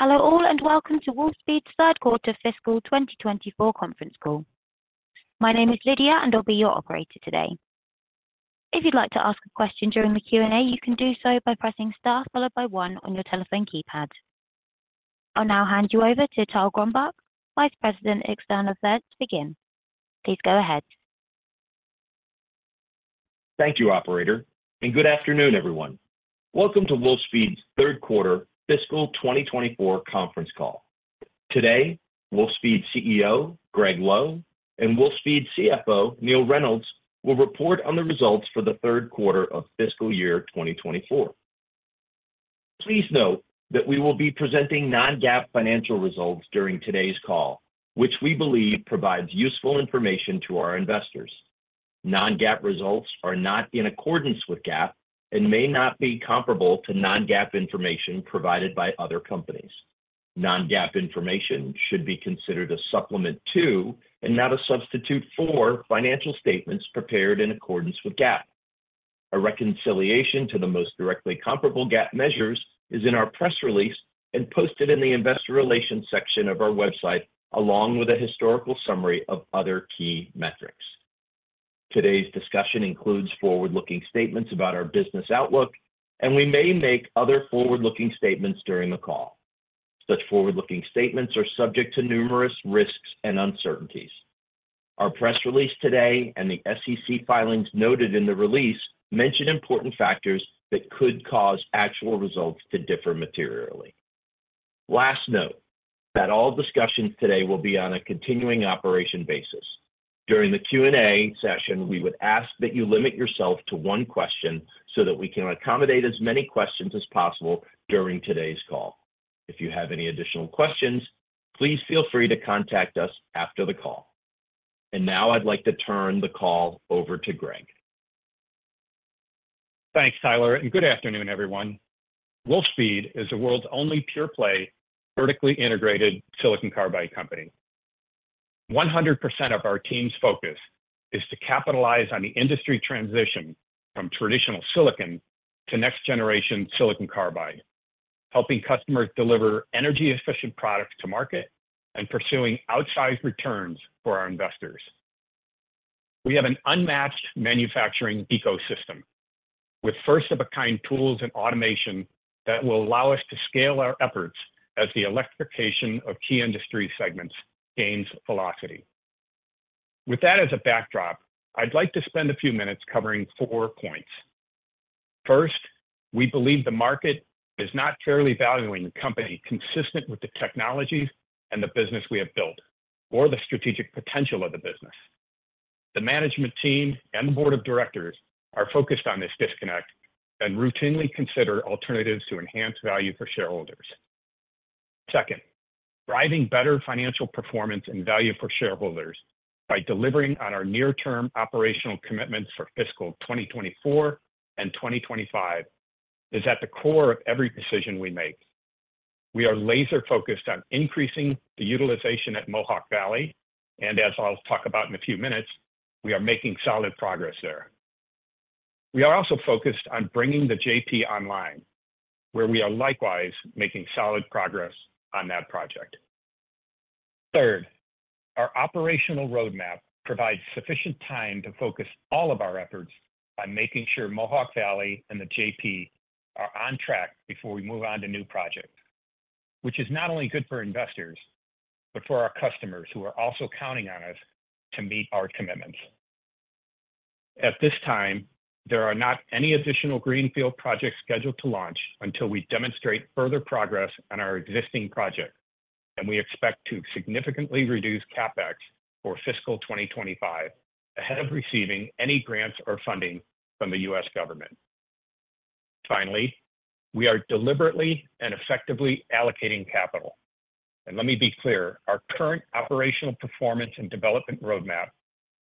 Hello all, and welcome to Wolfspeed's third quarter fiscal 2024 conference call. My name is Lydia, and I'll be your operator today. If you'd like to ask a question during the Q&A, you can do so by pressing star followed by one on your telephone keypad. I'll now hand you over to Tyler Gronbach, Vice President, External Affairs, to begin. Please go ahead. Thank you, operator, and good afternoon, everyone. Welcome to Wolfspeed's third quarter fiscal 2024 conference call. Today, Wolfspeed CEO, Greg Lowe, and Wolfspeed CFO, Neill Reynolds, will report on the results for the third quarter of fiscal year 2024. Please note that we will be presenting non-GAAP financial results during today's call, which we believe provides useful information to our investors. Non-GAAP results are not in accordance with GAAP and may not be comparable to non-GAAP information provided by other companies. Non-GAAP information should be considered a supplement to, and not a substitute for, financial statements prepared in accordance with GAAP. A reconciliation to the most directly comparable GAAP measures is in our press release and posted in the Investor Relations section of our website, along with a historical summary of other key metrics. Today's discussion includes forward-looking statements about our business outlook, and we may make other forward-looking statements during the call. Such forward-looking statements are subject to numerous risks and uncertainties. Our press release today and the SEC filings noted in the release mention important factors that could cause actual results to differ materially. Last note, that all discussions today will be on a continuing operation basis. During the Q&A session, we would ask that you limit yourself to one question, so that we can accommodate as many questions as possible during today's call. If you have any additional questions, please feel free to contact us after the call. Now I'd like to turn the call over to Greg. Thanks, Tyler, and good afternoon, everyone. Wolfspeed is the world's only pure-play, vertically integrated silicon carbide company. 100% of our team's focus is to capitalize on the industry transition from traditional silicon to next-generation silicon carbide, helping customers deliver energy-efficient products to market and pursuing outsized returns for our investors. We have an unmatched manufacturing ecosystem, with first-of-a-kind tools and automation that will allow us to scale our efforts as the electrification of key industry segments gains velocity. With that as a backdrop, I'd like to spend a few minutes covering four points. First, we believe the market is not fairly valuing the company consistent with the technologies and the business we have built or the strategic potential of the business. The management team and the board of directors are focused on this disconnect and routinely consider alternatives to enhance value for shareholders. Second, driving better financial performance and value for shareholders by delivering on our near-term operational commitments for fiscal 2024 and 2025 is at the core of every decision we make. We are laser-focused on increasing the utilization at Mohawk Valley, and as I'll talk about in a few minutes, we are making solid progress there. We are also focused on bringing the JP online, where we are likewise making solid progress on that project. Third, our operational roadmap provides sufficient time to focus all of our efforts on making sure Mohawk Valley and the JP are on track before we move on to new projects, which is not only good for investors, but for our customers who are also counting on us to meet our commitments. At this time, there are not any additional greenfield projects scheduled to launch until we demonstrate further progress on our existing projects, and we expect to significantly reduce CapEx for fiscal 2025, ahead of receiving any grants or funding from the U.S. government. Finally, we are deliberately and effectively allocating capital. And let me be clear, our current operational performance and development roadmap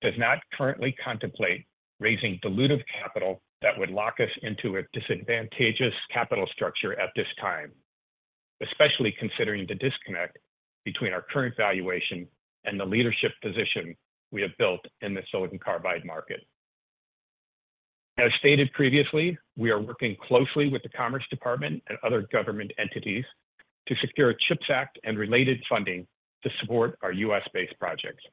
does not currently contemplate raising dilutive capital that would lock us into a disadvantageous capital structure at this time, especially considering the disconnect between our current valuation and the leadership position we have built in the silicon carbide market. As stated previously, we are working closely with the Commerce Department and other government entities to secure CHIPS Act and related funding to support our U.S.-based projects.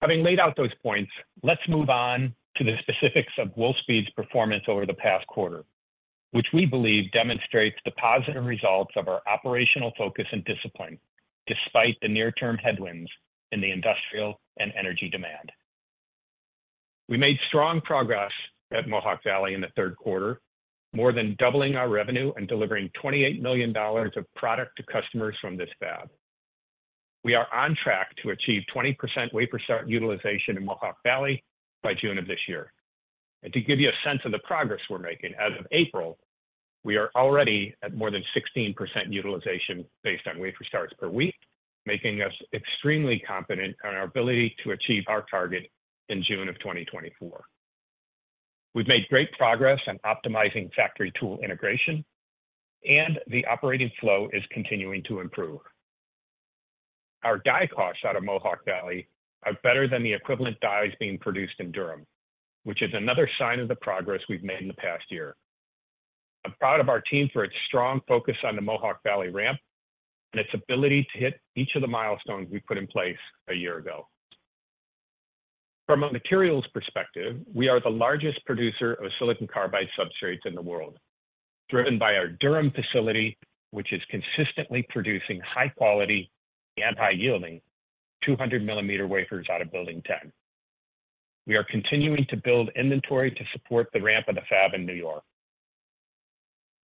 Having laid out those points, let's move on to the specifics of Wolfspeed's performance over the past quarter, which we believe demonstrates the positive results of our operational focus and discipline, despite the near-term headwinds in the industrial and energy demand. We made strong progress at Mohawk Valley in the third quarter, more than doubling our revenue and delivering $28 million of product to customers from this fab. We are on track to achieve 20% wafer start utilization in Mohawk Valley by June of this year. And to give you a sense of the progress we're making, as of April, we are already at more than 16% utilization based on wafer starts per week, making us extremely confident in our ability to achieve our target in June of 2024. We've made great progress on optimizing factory tool integration, and the operating flow is continuing to improve. Our die costs out of Mohawk Valley are better than the equivalent dies being produced in Durham, which is another sign of the progress we've made in the past year. I'm proud of our team for its strong focus on the Mohawk Valley ramp, and its ability to hit each of the milestones we put in place a year ago. From a materials perspective, we are the largest producer of silicon carbide substrates in the world, driven by our Durham facility, which is consistently producing high quality and high yielding 200 mm wafers out of Building 10. We are continuing to build inventory to support the ramp of the fab in New York.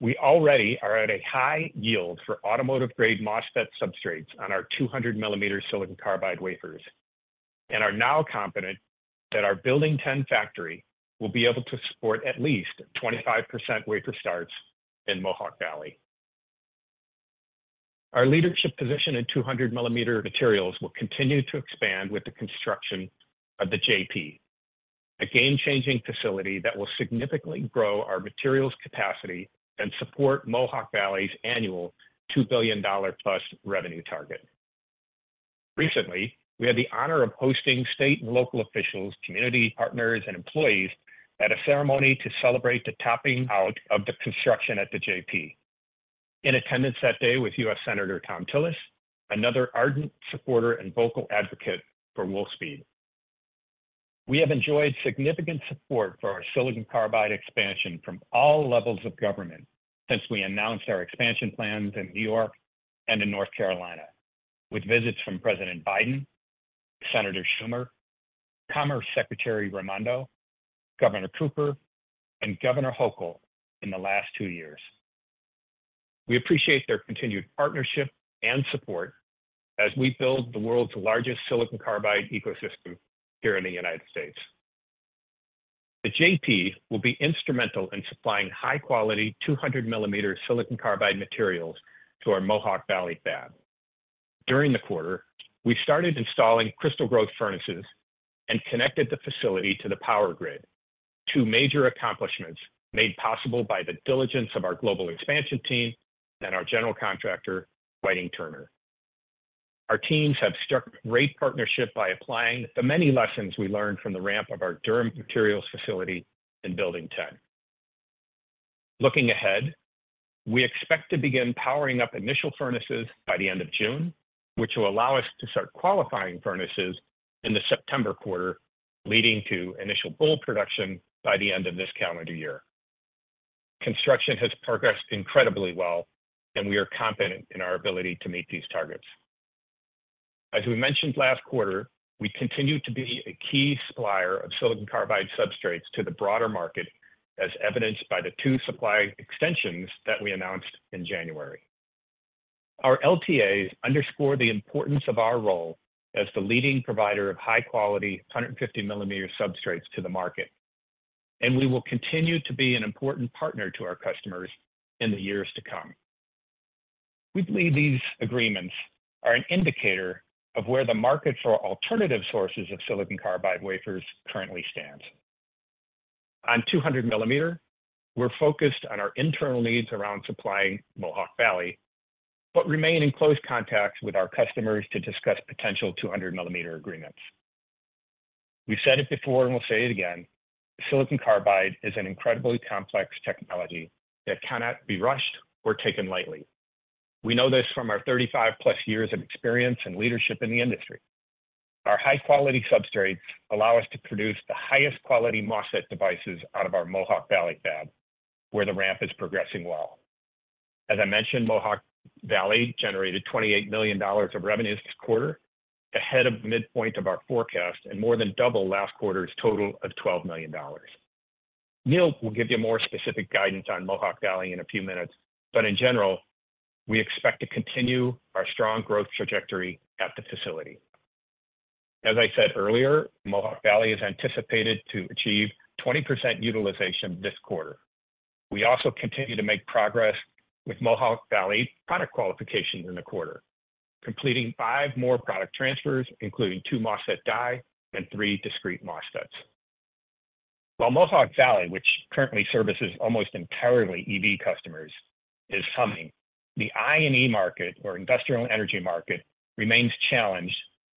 We already are at a high yield for automotive-grade MOSFET substrates on our 200 mm silicon carbide wafers, and are now confident that our Building 10 factory will be able to support at least 25% wafer starts in Mohawk Valley. Our leadership position in 200 mm materials will continue to expand with the construction of The JP, a game-changing facility that will significantly grow our materials capacity and support Mohawk Valley's annual $2 billion+ revenue target. Recently, we had the honor of hosting state and local officials, community partners, and employees at a ceremony to celebrate the topping out of the construction at The JP. In attendance that day was U.S. Senator Thom Tillis, another ardent supporter and vocal advocate for Wolfspeed. We have enjoyed significant support for our silicon carbide expansion from all levels of government since we announced our expansion plans in New York and in North Carolina, with visits from President Biden, Senator Schumer, Commerce Secretary Raimondo, Governor Cooper, and Governor Hochul in the last two years. We appreciate their continued partnership and support as we build the world's largest silicon carbide ecosystem here in the United States. The JP will be instrumental in supplying high-quality 200 mm silicon carbide materials to our Mohawk Valley fab. During the quarter, we started installing crystal growth furnaces and connected the facility to the power grid, two major accomplishments made possible by the diligence of our global expansion team and our general contractor, Whiting-Turner. Our teams have struck great partnership by applying the many lessons we learned from the ramp of our Durham materials facility in Building 10. Looking ahead, we expect to begin powering up initial furnaces by the end of June, which will allow us to start qualifying furnaces in the September quarter, leading to initial full production by the end of this calendar year. Construction has progressed incredibly well, and we are confident in our ability to meet these targets. As we mentioned last quarter, we continue to be a key supplier of silicon carbide substrates to the broader market, as evidenced by the two supply extensions that we announced in January. Our LTAs underscore the importance of our role as the leading provider of high-quality 150 mm substrates to the market, and we will continue to be an important partner to our customers in the years to come. We believe these agreements are an indicator of where the market for alternative sources of silicon carbide wafers currently stands. On 200 mm, we're focused on our internal needs around supplying Mohawk Valley, but remain in close contact with our customers to discuss potential 200 mm agreements. We've said it before and we'll say it again, silicon carbide is an incredibly complex technology that cannot be rushed or taken lightly. We know this from our 35+ years of experience and leadership in the industry. Our high-quality substrates allow us to produce the highest quality MOSFET devices out of our Mohawk Valley fab, where the ramp is progressing well. As I mentioned, Mohawk Valley generated $28 million of revenue this quarter, ahead of the midpoint of our forecast and more than double last quarter's total of $12 million. Neil will give you more specific guidance on Mohawk Valley in a few minutes, but in general, we expect to continue our strong growth trajectory at the facility. As I said earlier, Mohawk Valley is anticipated to achieve 20% utilization this quarter. We also continue to make progress with Mohawk Valley product qualification in the quarter, completing five more product transfers, including two MOSFET dies and three discrete MOSFETs. While Mohawk Valley, which currently services almost entirely EV customers, is humming, the I&E market, or industrial and energy market, remains challenged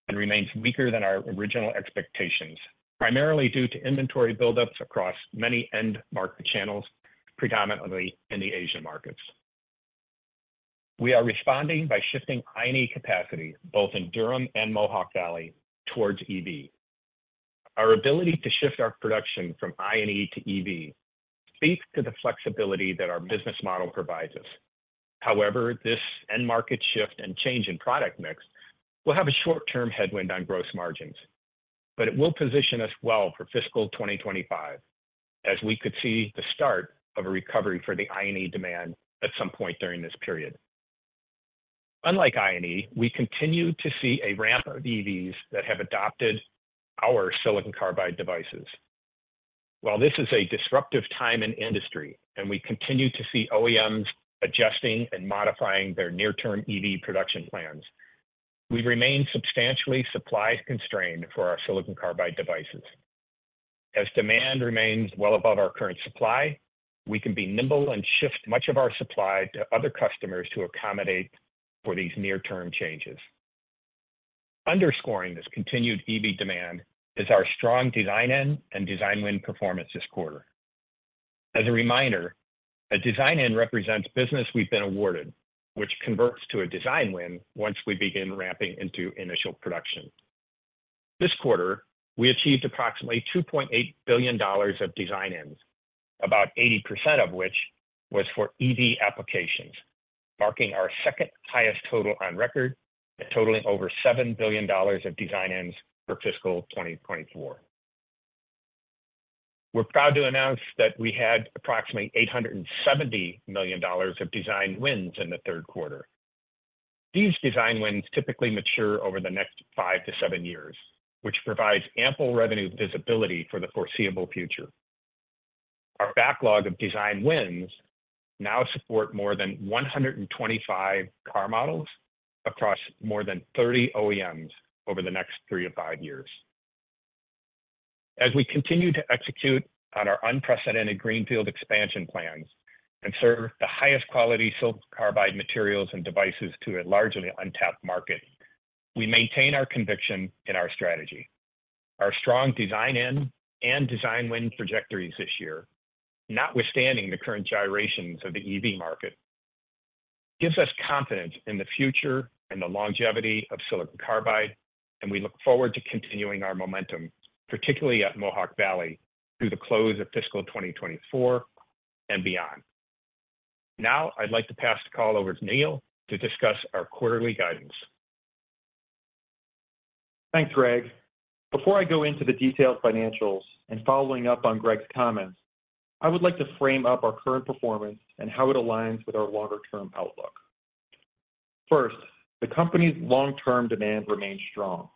and remains weaker than our original expectations, primarily due to inventory buildups across many end market channels, predominantly in the Asian markets. We are responding by shifting I&E capacity, both in Durham and Mohawk Valley, towards EV. Our ability to shift our production from I&E to EV speaks to the flexibility that our business model provides us. However, this end market shift and change in product mix will have a short-term headwind on gross margins, but it will position us well for fiscal 2025, as we could see the start of a recovery for the I&E demand at some point during this period. Unlike I&E, we continue to see a ramp of EVs that have adopted our silicon carbide devices. While this is a disruptive time in industry and we continue to see OEMs adjusting and modifying their near-term EV production plans, we remain substantially supply constrained for our silicon carbide devices. As demand remains well above our current supply, we can be nimble and shift much of our supply to other customers to accommodate for these near-term changes. Underscoring this continued EV demand is our strong design-in and design win performance this quarter. As a reminder, a design-in represents business we've been awarded, which converts to a design win once we begin ramping into initial production. This quarter, we achieved approximately $2.8 billion of design-ins, about 80% of which was for EV applications, marking our second highest total on record and totaling over $7 billion of design-ins for fiscal 2024. We're proud to announce that we had approximately $870 million of design wins in the third quarter. These design wins typically mature over the next 5-7 years, which provides ample revenue visibility for the foreseeable future. Our backlog of design wins now support more than 125 car models across more than 30 OEMs over the next 3-5 years. As we continue to execute on our unprecedented greenfield expansion plans and serve the highest quality silicon carbide materials and devices to a largely untapped market, we maintain our conviction in our strategy. Our strong design-in and design win trajectories this year, notwithstanding the current gyrations of the EV market, gives us confidence in the future and the longevity of silicon carbide, and we look forward to continuing our momentum, particularly at Mohawk Valley, through the close of fiscal 2024 and beyond. Now, I'd like to pass the call over to Neil to discuss our quarterly guidance. Thanks, Greg. Before I go into the detailed financials, and following up on Greg's comments, I would like to frame up our current performance and how it aligns with our longer-term outlook. First, the company's long-term demand remains strong.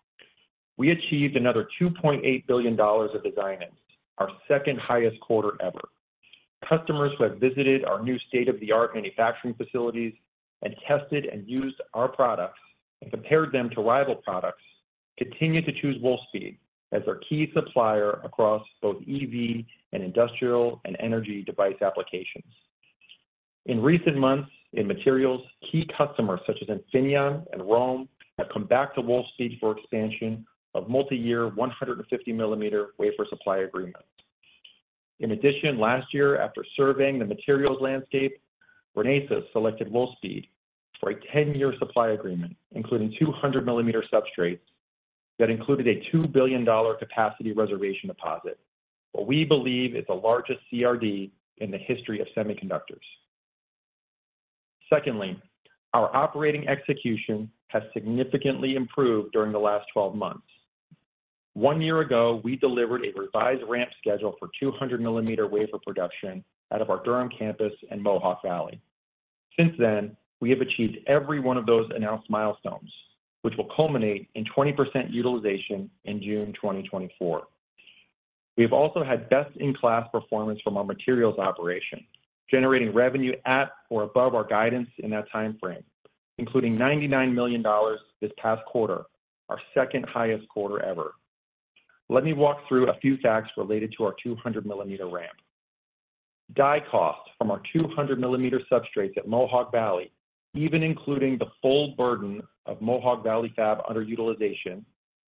We achieved another $2.8 billion of design-ins, our second highest quarter ever. Customers who have visited our new state-of-the-art manufacturing facilities and tested and used our products and compared them to rival products, continue to choose Wolfspeed as their key supplier across both EV and industrial and energy device applications. In recent months, in materials, key customers such as Infineon and ROHM, have come back to Wolfspeed for expansion of multiyear 150 mm wafer supply agreements. In addition, last year, after surveying the materials landscape, Renesas selected Wolfspeed for a ten-year supply agreement, including 200 mm substrates, that included a $2 billion capacity reservation deposit, what we believe is the largest CRD in the history of semiconductors. Secondly, our operating execution has significantly improved during the last 12 months. One year ago, we delivered a revised ramp schedule for 200 mm wafer production out of our Durham campus and Mohawk Valley. Since then, we have achieved every one of those announced milestones, which will culminate in 20% utilization in June 2024. We have also had best-in-class performance from our materials operation, generating revenue at or above our guidance in that time frame, including $99 million this past quarter, our second highest quarter ever. Let me walk through a few facts related to our 200 mm ramp. Die costs from our 200 mm substrates at Mohawk Valley, even including the full burden of Mohawk Valley fab underutilization,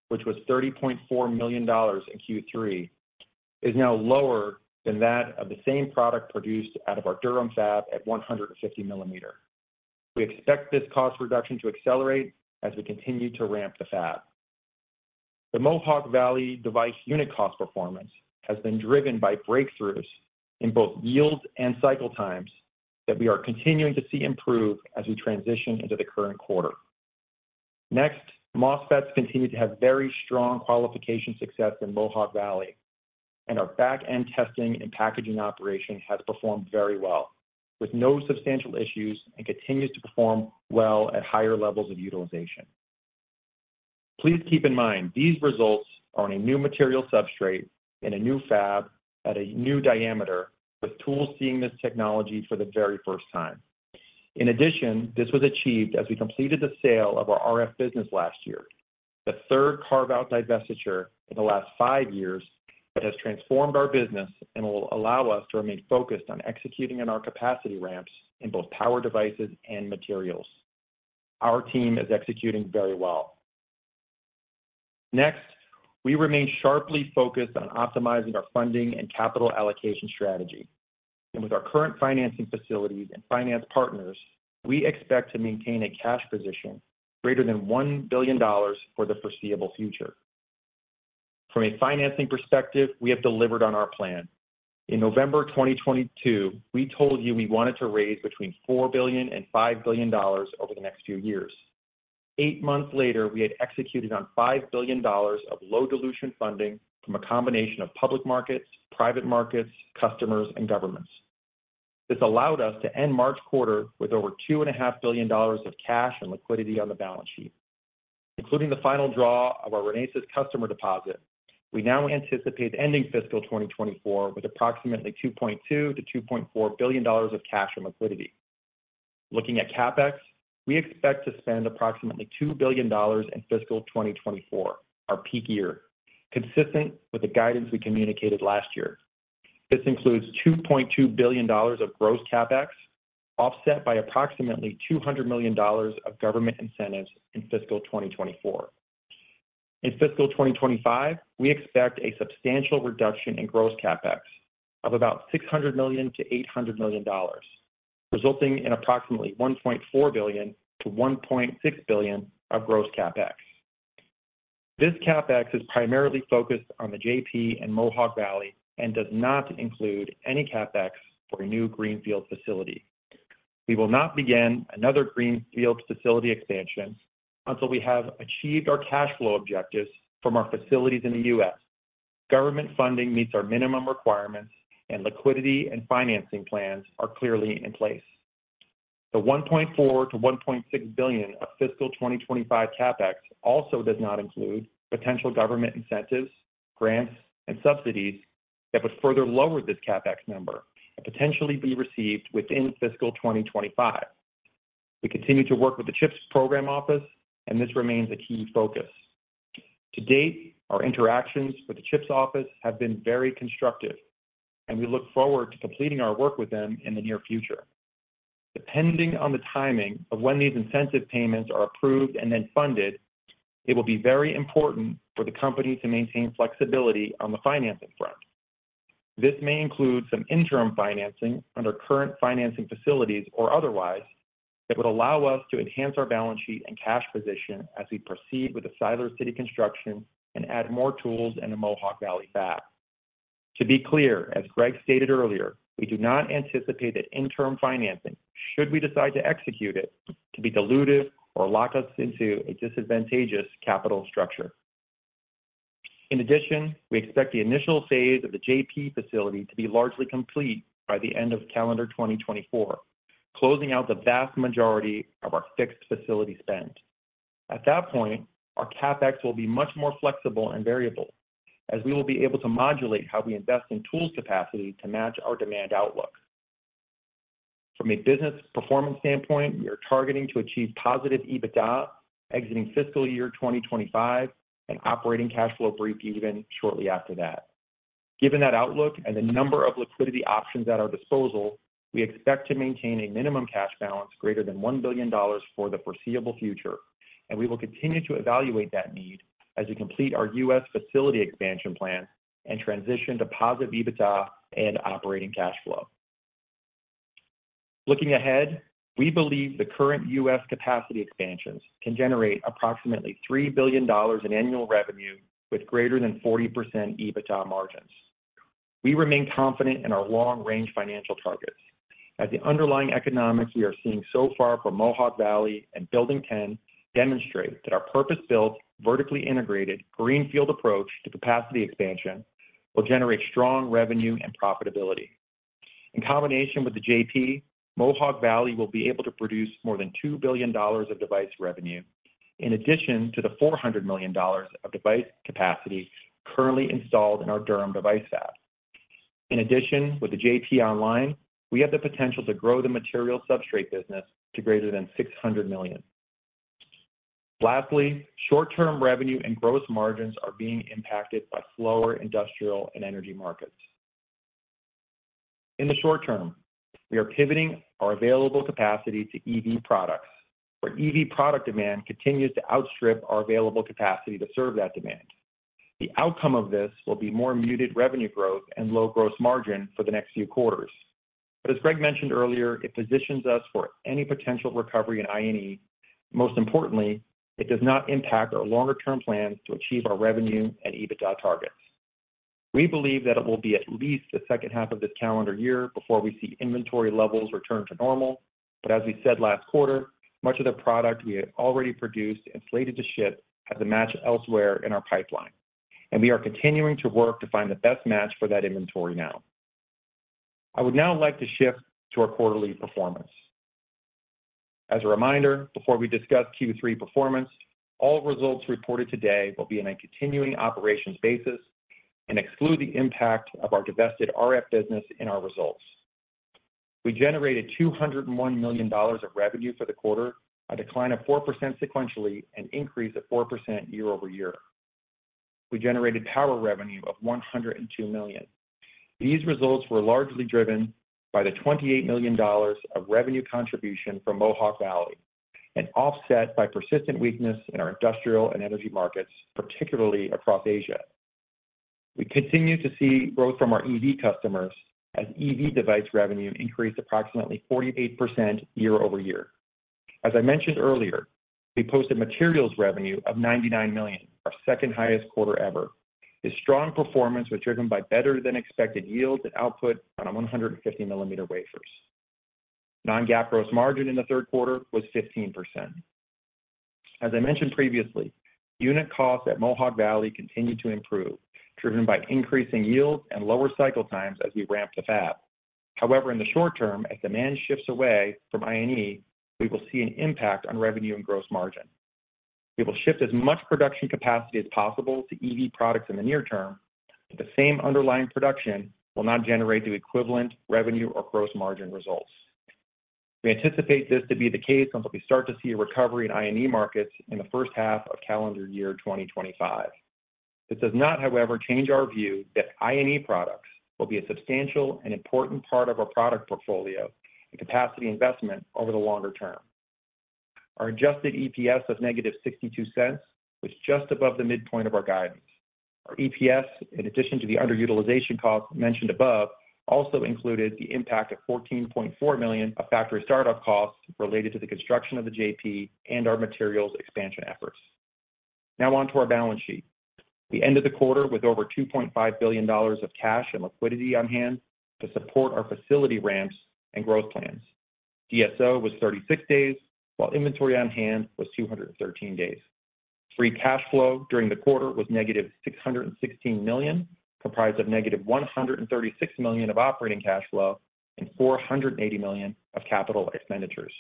which was $30.4 million in Q3, is now lower than that of the same product produced out of our Durham fab at 150 mm. We expect this cost reduction to accelerate as we continue to ramp the fab. The Mohawk Valley device unit cost performance has been driven by breakthroughs in both yield and cycle times, that we are continuing to see improve as we transition into the current quarter. Next, MOSFETs continue to have very strong qualification success in Mohawk Valley, and our back-end testing and packaging operation has performed very well, with no substantial issues and continues to perform well at higher levels of utilization. Please keep in mind, these results are on a new material substrate, in a new fab, at a new diameter, with tools seeing this technology for the very first time. In addition, this was achieved as we completed the sale of our RF business last year, the third carve-out divestiture in the last five years that has transformed our business and will allow us to remain focused on executing on our capacity ramps in both power devices and materials. Our team is executing very well. Next, we remain sharply focused on optimizing our funding and capital allocation strategy, and with our current financing facilities and finance partners, we expect to maintain a cash position greater than $1 billion for the foreseeable future. From a financing perspective, we have delivered on our plan. In November 2022, we told you we wanted to raise between $4 billion and $5 billion over the next few years. Eight months later, we had executed on $5 billion of low dilution funding from a combination of public markets, private markets, customers, and governments. This allowed us to end March quarter with over $2.5 billion of cash and liquidity on the balance sheet. Including the final draw of our Renesas customer deposit, we now anticipate ending fiscal 2024 with approximately $2.2-$2.4 billion of cash and liquidity.... Looking at CapEx, we expect to spend approximately $2 billion in fiscal 2024, our peak year, consistent with the guidance we communicated last year. This includes $2.2 billion of gross CapEx, offset by approximately $200 million of government incentives in fiscal 2024. In fiscal 2025, we expect a substantial reduction in gross CapEx of about $600 million-$800 million, resulting in approximately $1.4 billion-$1.6 billion of gross CapEx. This CapEx is primarily focused on The JP and Mohawk Valley and does not include any CapEx for a new greenfield facility. We will not begin another greenfield facility expansion until we have achieved our cash flow objectives from our facilities in the U.S. Government funding meets our minimum requirements, and liquidity and financing plans are clearly in place. The $1.4 billion-$1.6 billion of fiscal 2025 CapEx also does not include potential government incentives, grants, and subsidies that would further lower this CapEx number and potentially be received within fiscal 2025. We continue to work with the CHIPS Program office, and this remains a key focus. To date, our interactions with the CHIPS office have been very constructive, and we look forward to completing our work with them in the near future. Depending on the timing of when these incentive payments are approved and then funded, it will be very important for the company to maintain flexibility on the financing front. This may include some interim financing under current financing facilities or otherwise, that would allow us to enhance our balance sheet and cash position as we proceed with the Siler City construction and add more tools in the Mohawk Valley fab. To be clear, as Greg stated earlier, we do not anticipate that interim financing, should we decide to execute it, to be dilutive or lock us into a disadvantageous capital structure. In addition, we expect the initial phase of the JP facility to be largely complete by the end of calendar 2024, closing out the vast majority of our fixed facility spend. At that point, our CapEx will be much more flexible and variable, as we will be able to modulate how we invest in tools capacity to match our demand outlook. From a business performance standpoint, we are targeting to achieve positive EBITDA exiting fiscal year 2025 and operating cash flow breakeven shortly after that. Given that outlook and the number of liquidity options at our disposal, we expect to maintain a minimum cash balance greater than $1 billion for the foreseeable future, and we will continue to evaluate that need as we complete our U.S. facility expansion plans and transition to positive EBITDA and operating cash flow. Looking ahead, we believe the current U.S. capacity expansions can generate approximately $3 billion in annual revenue, with greater than 40% EBITDA margins. We remain confident in our long-range financial targets, as the underlying economics we are seeing so far from Mohawk Valley and Building 10 demonstrate that our purpose-built, vertically integrated greenfield approach to capacity expansion will generate strong revenue and profitability. In combination with the JP, Mohawk Valley will be able to produce more than $2 billion of device revenue, in addition to the $400 million of device capacity currently installed in our Durham device fab. In addition, with the JP online, we have the potential to grow the material substrate business to greater than $600 million. Lastly, short-term revenue and gross margins are being impacted by slower industrial and energy markets. In the short term, we are pivoting our available capacity to EV products, where EV product demand continues to outstrip our available capacity to serve that demand. The outcome of this will be more muted revenue growth and low gross margin for the next few quarters. But as Greg mentioned earlier, it positions us for any potential recovery in I&E. Most importantly, it does not impact our longer-term plans to achieve our revenue and EBITDA targets. We believe that it will be at least the second half of this calendar year before we see inventory levels return to normal. But as we said last quarter, much of the product we had already produced and slated to ship has a match elsewhere in our pipeline, and we are continuing to work to find the best match for that inventory now. I would now like to shift to our quarterly performance. As a reminder, before we discuss Q3 performance, all results reported today will be in a continuing operations basis and exclude the impact of our divested RF business in our results. We generated $201 million of revenue for the quarter, a decline of 4% sequentially and increase of 4% year-over-year. We generated power revenue of $102 million. These results were largely driven by the $28 million of revenue contribution from Mohawk Valley and offset by persistent weakness in our industrial and energy markets, particularly across Asia. We continue to see growth from our EV customers, as EV device revenue increased approximately 48% year-over-year. As I mentioned earlier, we posted materials revenue of $99 million, our second highest quarter ever. This strong performance was driven by better than expected yields and output on our 150 mm wafers. Non-GAAP gross margin in the third quarter was 15%. As I mentioned previously, unit costs at Mohawk Valley continued to improve, driven by increasing yields and lower cycle times as we ramp the fab. However, in the short term, as demand shifts away from I&E, we will see an impact on revenue and gross margin. We will shift as much production capacity as possible to EV products in the near term, but the same underlying production will not generate the equivalent revenue or gross margin results. We anticipate this to be the case until we start to see a recovery in I&E markets in the first half of calendar year 2025. This does not, however, change our view that I&E products will be a substantial and important part of our product portfolio and capacity investment over the longer term. Our adjusted EPS of -$0.62 was just above the midpoint of our guidance. Our EPS, in addition to the underutilization costs mentioned above, also included the impact of $14.4 million of factory startup costs related to the construction of the JP and our materials expansion efforts. Now on to our balance sheet. We ended the quarter with over $2.5 billion of cash and liquidity on hand to support our facility ramps and growth plans. DSO was 36 days, while inventory on hand was 213 days. Free cash flow during the quarter was -$616 million, comprised of -$136 million of operating cash flow and $480 million of capital expenditures.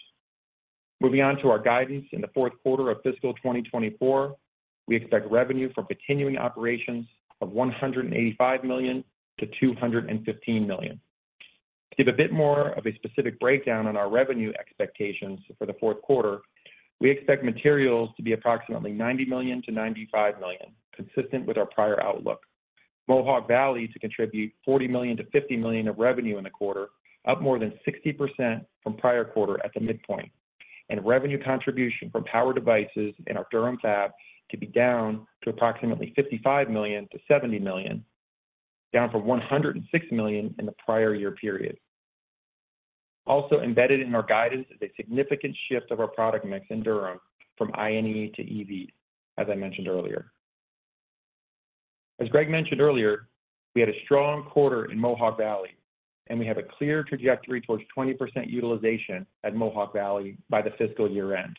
Moving on to our guidance in the fourth quarter of fiscal 2024, we expect revenue from continuing operations of $185 million-$215 million. To give a bit more of a specific breakdown on our revenue expectations for the fourth quarter, we expect materials to be approximately $90 million-$95 million, consistent with our prior outlook. Mohawk Valley to contribute $40 million-$50 million of revenue in the quarter, up more than 60% from prior quarter at the midpoint, and revenue contribution from power devices in our Durham fab to be down to approximately $55 million-$70 million, down from $106 million in the prior year period. Also embedded in our guidance is a significant shift of our product mix in Durham from I&E to EV, as I mentioned earlier. As Greg mentioned earlier, we had a strong quarter in Mohawk Valley, and we have a clear trajectory towards 20% utilization at Mohawk Valley by the fiscal year-end.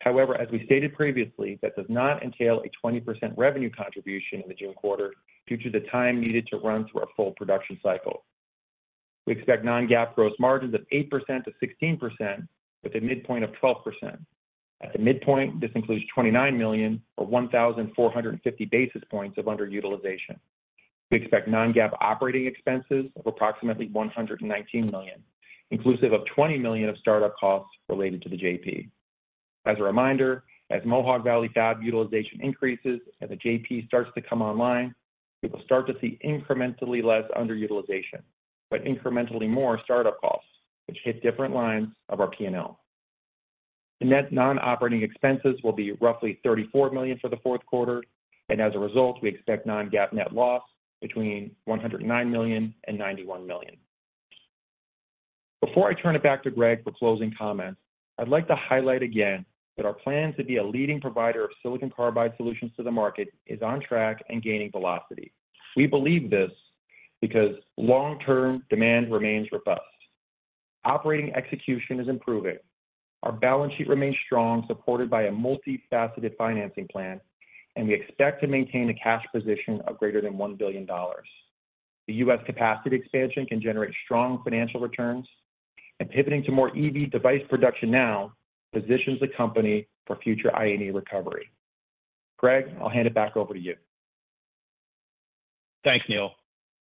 However, as we stated previously, that does not entail a 20% revenue contribution in the June quarter, due to the time needed to run through our full production cycle. We expect non-GAAP gross margins of 8%-16%, with a midpoint of 12%. At the midpoint, this includes $29 million, or 1,450 basis points of underutilization. We expect non-GAAP operating expenses of approximately $119 million, inclusive of $20 million of startup costs related to the JP. As a reminder, as Mohawk Valley fab utilization increases and the JP starts to come online, we will start to see incrementally less underutilization, but incrementally more startup costs, which hit different lines of our PNL. The net non-operating expenses will be roughly $34 million for the fourth quarter, and as a result, we expect non-GAAP net loss between $109 million and $91 million. Before I turn it back to Greg for closing comments, I'd like to highlight again that our plan to be a leading provider of silicon carbide solutions to the market is on track and gaining velocity. We believe this because long-term demand remains robust. Operating execution is improving. Our balance sheet remains strong, supported by a multifaceted financing plan, and we expect to maintain a cash position of greater than $1 billion. The U.S. capacity expansion can generate strong financial returns, and pivoting to more EV device production now positions the company for future I&E recovery. Greg, I'll hand it back over to you. Thanks, Neil.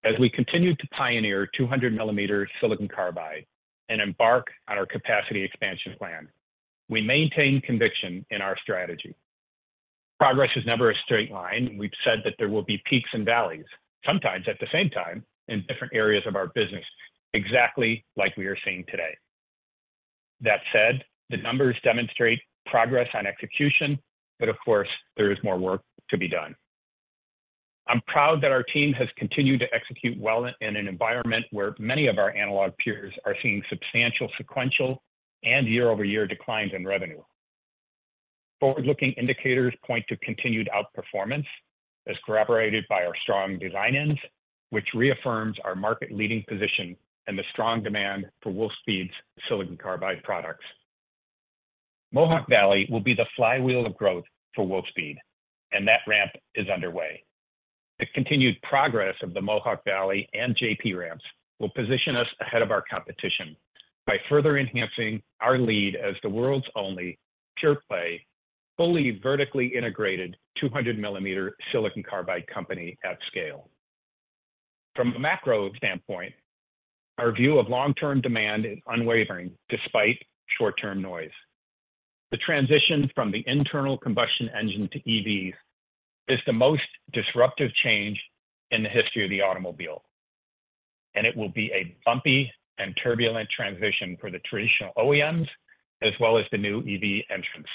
As we continue to pioneer 200 mm silicon carbide and embark on our capacity expansion plan, we maintain conviction in our strategy. Progress is never a straight line, and we've said that there will be peaks and valleys, sometimes at the same time in different areas of our business, exactly like we are seeing today. That said, the numbers demonstrate progress on execution, but of course, there is more work to be done. I'm proud that our team has continued to execute well in an environment where many of our analog peers are seeing substantial sequential and year-over-year declines in revenue. Forward-looking indicators point to continued outperformance, as corroborated by our strong design-ins, which reaffirms our market-leading position and the strong demand for Wolfspeed's silicon carbide products. Mohawk Valley will be the flywheel of growth for Wolfspeed, and that ramp is underway. The continued progress of the Mohawk Valley and JP ramps will position us ahead of our competition by further enhancing our lead as the world's only pure-play, fully vertically integrated 200 mm silicon carbide company at scale. From a macro standpoint, our view of long-term demand is unwavering despite short-term noise. The transition from the internal combustion engine to EVs is the most disruptive change in the history of the automobile, and it will be a bumpy and turbulent transition for the traditional OEMs, as well as the new EV entrants.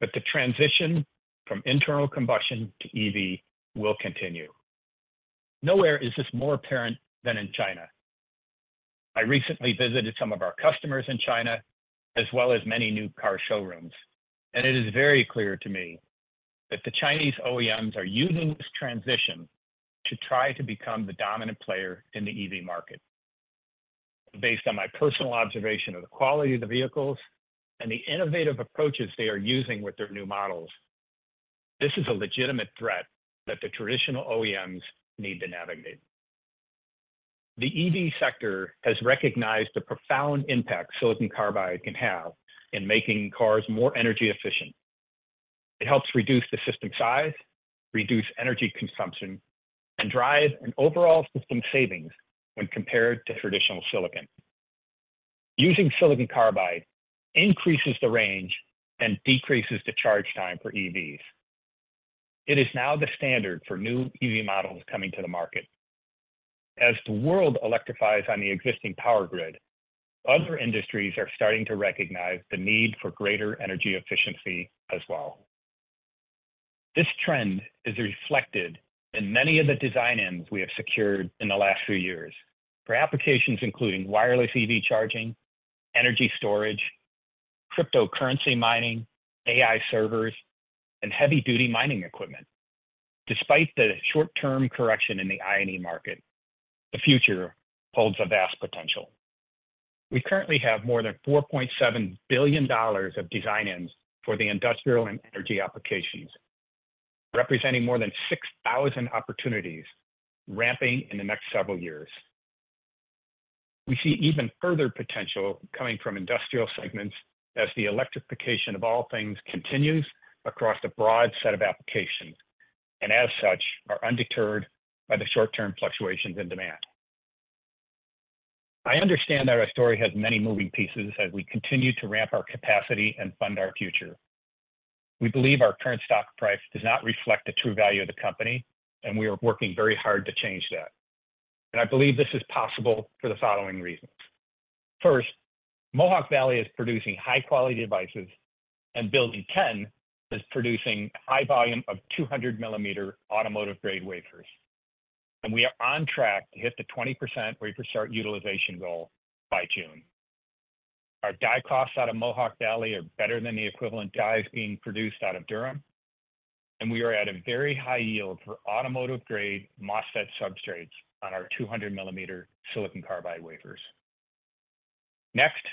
But the transition from internal combustion to EV will continue. Nowhere is this more apparent than in China. I recently visited some of our customers in China, as well as many new car showrooms, and it is very clear to me that the Chinese OEMs are using this transition to try to become the dominant player in the EV market. Based on my personal observation of the quality of the vehicles and the innovative approaches they are using with their new models, this is a legitimate threat that the traditional OEMs need to navigate. The EV sector has recognized the profound impact silicon carbide can have in making cars more energy efficient. It helps reduce the system size, reduce energy consumption, and drive an overall system savings when compared to traditional silicon. Using silicon carbide increases the range and decreases the charge time for EVs. It is now the standard for new EV models coming to the market. As the world electrifies on the existing power grid, other industries are starting to recognize the need for greater energy efficiency as well. This trend is reflected in many of the design-ins we have secured in the last few years for applications including wireless EV charging, energy storage, cryptocurrency mining, AI servers, and heavy-duty mining equipment. Despite the short-term correction in the I&E market, the future holds a vast potential. We currently have more than $4.7 billion of design-ins for the industrial and energy applications, representing more than 6,000 opportunities ramping in the next several years. We see even further potential coming from industrial segments as the electrification of all things continues across a broad set of applications, and as such, are undeterred by the short-term fluctuations in demand. I understand that our story has many moving pieces as we continue to ramp our capacity and fund our future. We believe our current stock price does not reflect the true value of the company, and we are working very hard to change that, and I believe this is possible for the following reasons. First, Mohawk Valley is producing high-quality devices, and Building 10 is producing high volume of 200 mm automotive-grade wafers, and we are on track to hit the 20% wafer start utilization goal by June. Our die costs out of Mohawk Valley are better than the equivalent dies being produced out of Durham, and we are at a very high yield for automotive-grade MOSFET substrates on our 200 mm silicon carbide wafers. Next,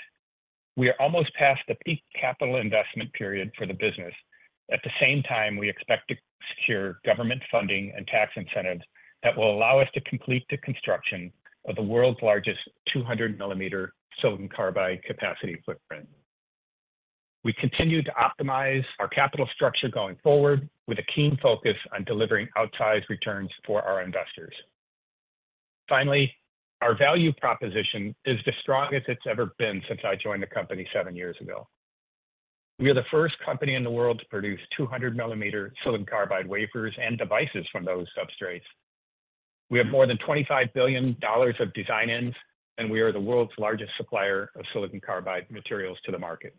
we are almost past the peak capital investment period for the business. At the same time, we expect to secure government funding and tax incentives that will allow us to complete the construction of the world's largest 200 mm silicon carbide capacity footprint. We continue to optimize our capital structure going forward with a keen focus on delivering outsized returns for our investors. Finally, our value proposition is the strongest it's ever been since I joined the company seven years ago. We are the first company in the world to produce 200 mm silicon carbide wafers and devices from those substrates. We have more than $25 billion of design-ins, and we are the world's largest supplier of silicon carbide materials to the market.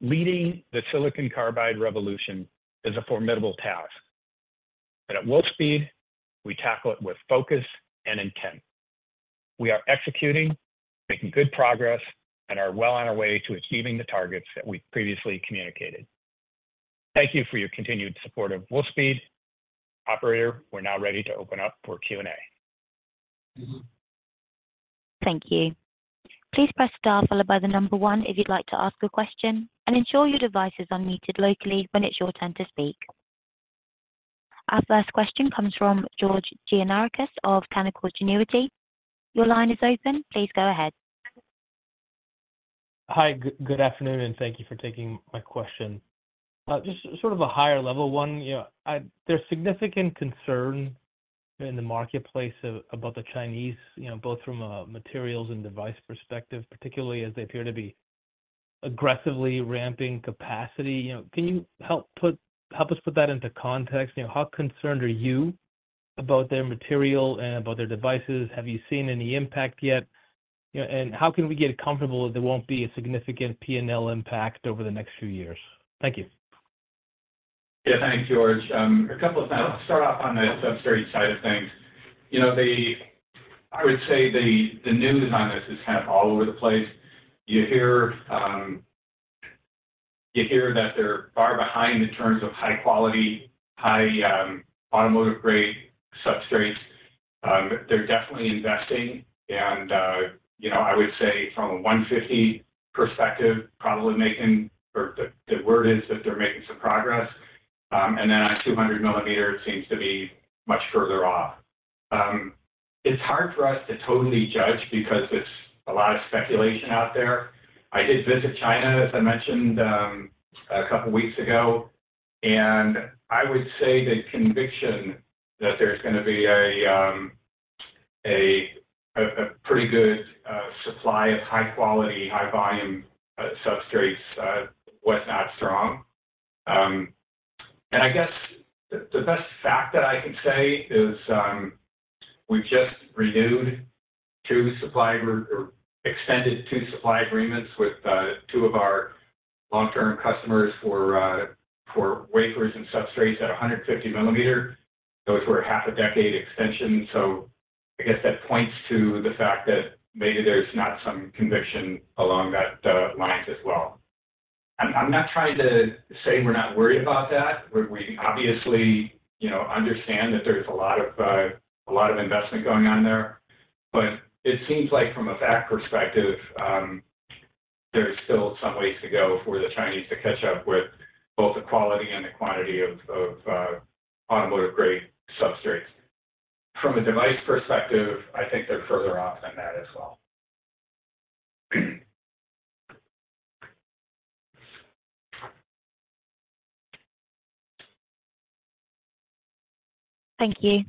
Leading the silicon carbide revolution is a formidable task, and at Wolfspeed, we tackle it with focus and intent. We are executing, making good progress, and are well on our way to achieving the targets that we've previously communicated. Thank you for your continued support of Wolfspeed. Operator, we're now ready to open up for Q&A. Thank you. Please press star followed by the number one if you'd like to ask a question, and ensure your device is unmuted locally when it's your turn to speak. Our first question comes from George Gianarikas of Canaccord Genuity. Your line is open. Please go ahead. Hi, good afternoon, and thank you for taking my question. Just sort of a higher level one, you know, there's significant concern in the marketplace about the Chinese, you know, both from a materials and device perspective, particularly as they appear to be aggressively ramping capacity. You know, can you help us put that into context? You know, how concerned are you about their material and about their devices? Have you seen any impact yet? You know, and how can we get comfortable that there won't be a significant P&L impact over the next few years? Thank you. Yeah, thanks, George. A couple of things. I'll start off on the substrate side of things. You know, the news on this is kind of all over the place. You hear that they're far behind in terms of high quality, high automotive-grade substrates. They're definitely investing and, you know, I would say from a 150 perspective, probably making, or the word is that they're making some progress. And then on 200 mm, it seems to be much further off. It's hard for us to totally judge because it's a lot of speculation out there. I did visit China, as I mentioned, a couple weeks ago, and I would say the conviction that there's gonna be a pretty good supply of high quality, high volume substrates was not strong. I guess the best fact that I can say is, we've just renewed or extended two supply agreements with two of our long-term customers for wafers and substrates at 150 mm. Those were half a decade extension, so I guess that points to the fact that maybe there's not some conviction along those lines as well. I'm not trying to say we're not worried about that. We obviously, you know, understand that there's a lot of a lot of investment going on there, but it seems like from a fact perspective.... there's still some ways to go for the Chinese to catch up with both the quality and the quantity of automotive-grade substrates. From a device perspective, I think they're further off than that as well. Thank you.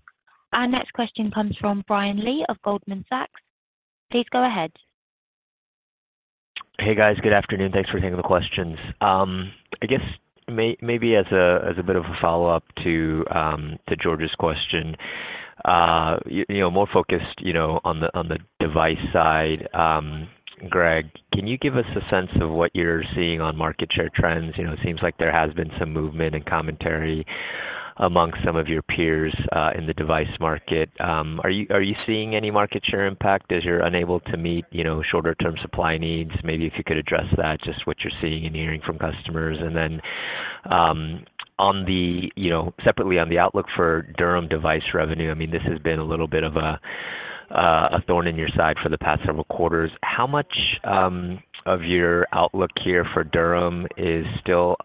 Our next question comes from Brian Lee of Goldman Sachs. Please go ahead. Hey, guys. Good afternoon. Thanks for taking the questions. I guess maybe as a bit of a follow-up to George's question, you know, more focused on the device side, Greg, can you give us a sense of what you're seeing on market share trends? You know, it seems like there has been some movement and commentary amongst some of your peers in the device market. Are you seeing any market share impact as you're unable to meet shorter-term supply needs? Maybe if you could address that, just what you're seeing and hearing from customers. And then, separately on the outlook for Durham device revenue, I mean, this has been a little bit of a thorn in your side for the past several quarters. How much of your outlook here for Durham is still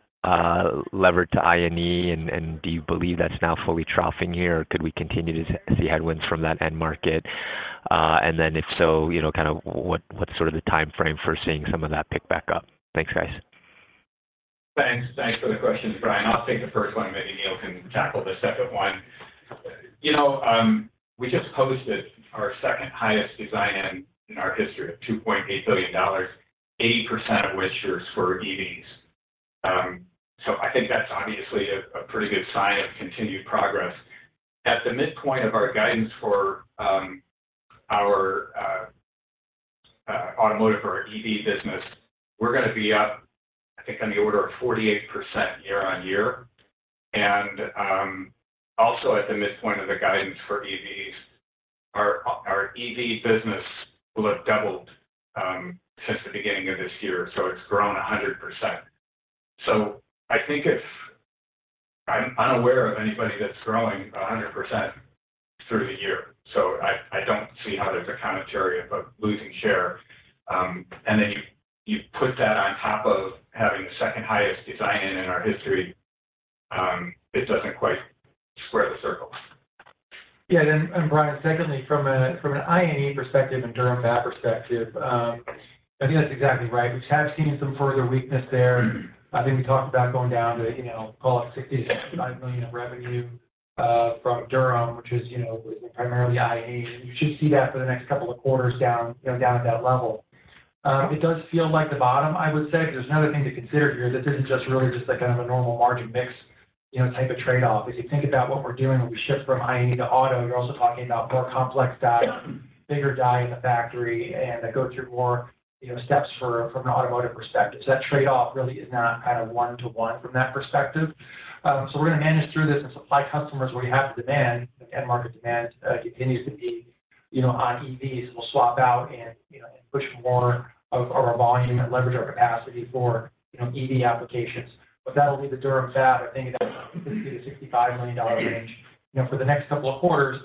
levered to I&E, and do you believe that's now fully troughing here, or could we continue to see headwinds from that end market? And then, if so, you know, kind of what's sort of the timeframe for seeing some of that pick back up? Thanks, guys. Thanks. Thanks for the question, Brian. I'll take the first one, maybe Neil can tackle the second one. You know, we just posted our second-highest design in our history of $2.8 billion, 80% of which is for EVs. So I think that's obviously a pretty good sign of continued progress. At the midpoint of our guidance for our automotive or EV business, we're gonna be up, I think, on the order of 48% year-on-year. And also, at the midpoint of the guidance for EVs, our EV business will have doubled since the beginning of this year, so it's grown 100%. So I think it's. I'm unaware of anybody that's growing 100% through the year, so I don't see how there's a commentary of losing share. And then you put that on top of having the second-highest design in our history, it doesn't quite square the circle. Yeah, and, and Brian, secondly, from an I&E perspective and Durham fab perspective, I think that's exactly right. We have seen some further weakness there. I think we talked about going down to, you know, call it $60 million-$65 million of revenue from Durham, which is, you know, primarily I&E. You should see that for the next couple of quarters down, you know, down at that level. It does feel like the bottom, I would say, because there's another thing to consider here. This isn't just really just like kind of a normal margin mix, you know, type of trade-off. If you think about what we're doing when we shift from I&E to auto, you're also talking about more complex die, bigger die in the factory, and that go through more, you know, steps from an automotive perspective. So that trade-off really is not kind of one to one from that perspective. So we're gonna manage through this and supply customers where we have the demand. If end market demand continues to be, you know, on EVs, we'll swap out and, you know, and push more of our, our volume and leverage our capacity for, you know, EV applications. But that'll be the Durham fab, I think, about $50-$65 million range, you know, for the next couple of quarters,